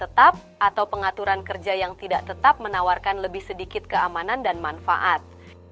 tetap atau pengaturan kerja yang tidak tetap menawarkan lebih sedikit keamanan dan manfaat